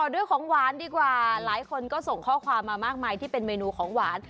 ด้วยของหวานดีกว่าหลายคนก็ส่งข้อความมามากมายที่เป็นเมนูของหวาน